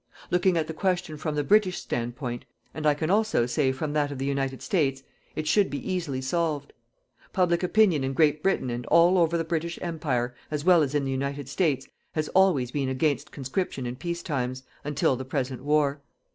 Looking at the question from the British stand point and I can also say from that of the United States it should be easily solved. Public opinion in Great Britain and all over the British Empire, as well as in the United States, has always been against conscription in peace times, until the present war.